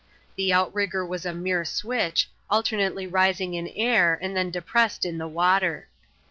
The outrigger was A mere switch, alternately rising in air, and then depressed • in the water.